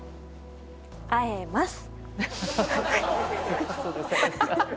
会えます。